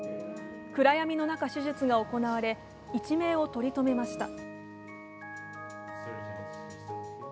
暗闇の中、手術が行われ、一命を取り留めました。